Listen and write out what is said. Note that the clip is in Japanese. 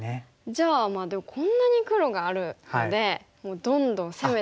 じゃあでもこんなに黒があるのでもうどんどん攻めていきます。